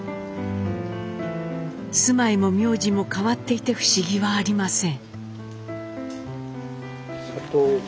住まいも名字も変わっていて不思議はありません。